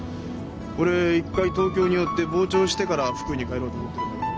俺一回東京に寄って傍聴してから福井に帰ろうと思ってるんだ。